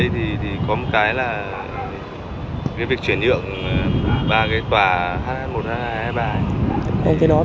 tiếp nhận thu tục ba hạt một hai ba